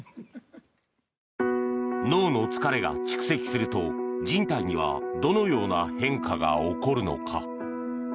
脳の疲れが蓄積すると人体にはどのような変化が起こるのか。